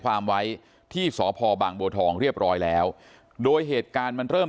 ความไว้ที่สพบางบัวทองเรียบร้อยแล้วโดยเหตุการณ์มันเริ่ม